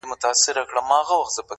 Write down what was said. دغه انسان بېشرفي په شرافت کوي~